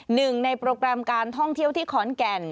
หนึ่งในโปรแกรมการท่องเที่ยวที่ขอนแก่น